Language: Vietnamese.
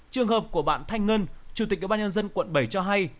trường hợp của bạn thanh ngân chủ tịch ủy ban nhân dân quận bảy cho hay